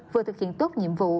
vừa thực hiện tốt nhiệm vụ